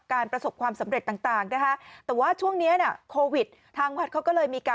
ประสบความสำเร็จต่างนะคะแต่ว่าช่วงนี้น่ะโควิดทางวัดเขาก็เลยมีการ